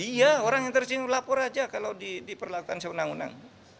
iya orang yang tersinggung lapor aja kalau diperlakukan seunang unang